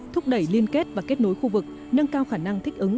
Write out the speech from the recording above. thúc đẩy liên kết và kết nối khu vực nâng cao khả năng thích ứng